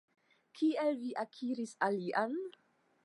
Kiel vi akiris alian?